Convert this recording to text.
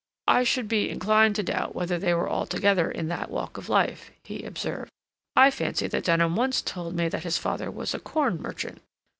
"I should be inclined to doubt whether they were altogether in that walk of life," he observed. "I fancy that Denham once told me that his father was a corn merchant.